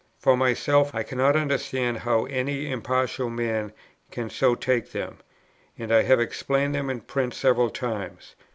For myself, I cannot understand how any impartial man can so take them; and I have explained them in print several times.